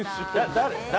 誰？